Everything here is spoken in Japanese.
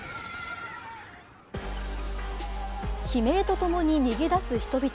悲鳴とともに逃げ出す人々。